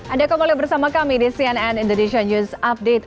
ada kamu lagi bersama kami di cnn indonesian news update